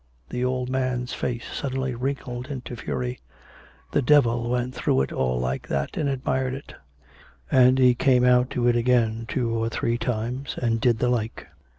(The old man's face suddenly wrinkled into fury.) " The devil went through it all like that, and admired it; and he came out to it again two or three times and did the like."